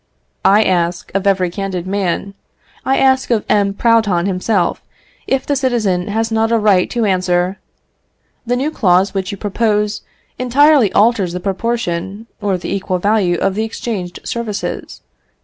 I ask of every candid man, I ask of M. Proudhon himself, if the citizen has not a right to answer, "The new clause which you propose entirely alters the proportion or the equal value of the exchanged services.